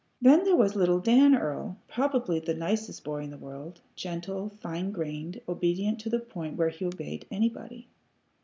Then there was little Dan Earl, probably the nicest boy in the world, gentle, fine grained, obedient to the point where he obeyed anybody.